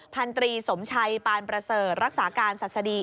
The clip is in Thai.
พันตรีสมชัยปานประเสริฐรักษาการศัษฎี